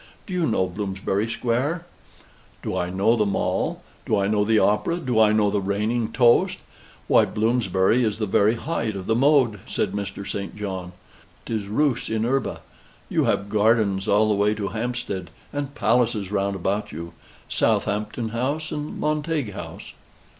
"Do you know Bloomsbury Square?" "Do I know the Mall? Do I know the Opera? Do I know the reigning toast? Why, Bloomsbury is the very height of the mode," says Mr. St. John. "'Tis rus in urbe. You have gardens all the way to Hampstead, and palaces round about you Southampton House and Montague House."